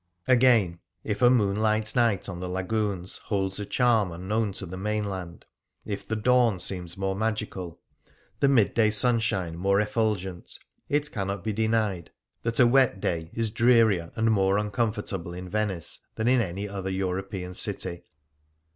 Again, if a moonlight night on the Lagoons holds a charm unknown to the mainland ; if the dawn seems more magical, the midday sunshine more effulgent — it cannot be denied that a wet 26 First Impressions day is drearier and more uncomfortable in Venice than in any other European city.